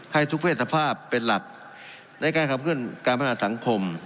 ให้ทุกเพศภาพเป็นหลักในการขอบคุณการบริหารสังคม